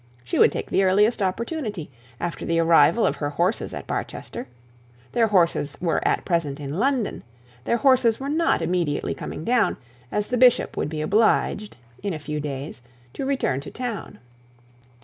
She would take the earliest opportunity, after the arrival of her horses at Barchester; their horses were at present in London; their horses were not immediately coming down, as the bishop would be obliged in a few days, to return to town.